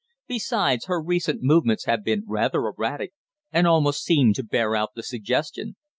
Besides, her recent movements have been rather erratic, and almost seem to bear out the suggestion."